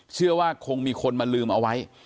เชื่อว่าคงมีคนมาลืมเอาไว้